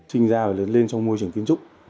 sinh ra và lớn lên trong môi trường kiến trúc